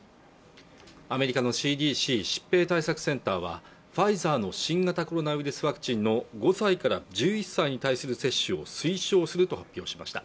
アメリカのＣＤＣ疾病対策センターはファイザーの新型コロナウイルスワクチンの５歳から１１歳に対する接種を推奨すると発表しました